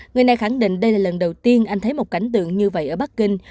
người này khẳng định đây là lần đầu tiên anh thấy một cảnh tượng như vậy ở bắc kinh